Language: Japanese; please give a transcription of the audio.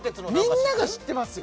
みんなが知ってますよ